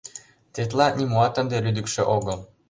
Тетла нимоат ынде лӱдыкшӧ огыл